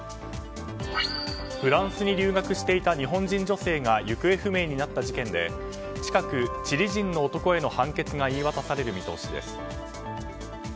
フランスに留学していた日本人女性が行方不明になった事件で近く、チリ人の男への判決が言い渡される見通しです。